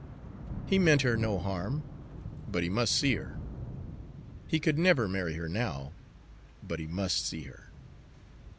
He meant her no harm but he must see her. He could never marry her now but he must see her.